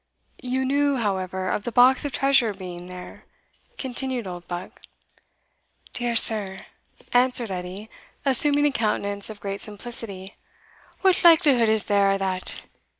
"You knew, however, of the box of treasure being there?" continued Oldbuck. "Dear sir," answered Edie, assuming a countenance of great simplicity, "what likelihood is there o'that?